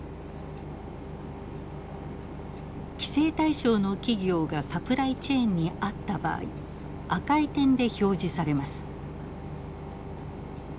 規制対象の企業がサプライチェーンにあった場合赤い点で表示されます。